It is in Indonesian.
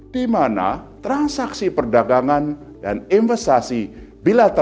dimana transaksi perdagangan dan investasi